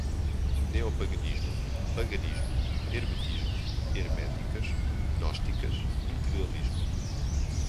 Neopaganismo, paganismo, hermetismo, herméticas, gnósticas, integralismo